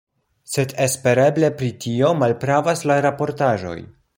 Sed espereble pri tio malpravas la raportaĵoj.